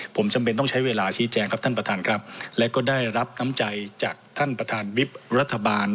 ผมจำเป็นต้องใช้เวลาชี้แจงครับท่านประธานครับและก็ได้รับน้ำใจจากท่านประธานวิบรัฐบาล